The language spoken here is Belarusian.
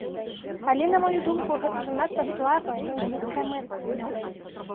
Але, на маю думку, гэта занадта слабая і нізкая мэта.